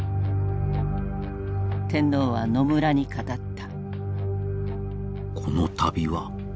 天皇は野村に語った。